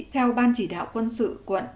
theo ban chỉ đạo quân sự quận